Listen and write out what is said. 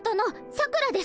さくらです。